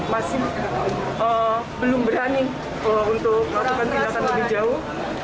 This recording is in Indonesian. masih belum berani untuk melakukan tindakan lebih jauh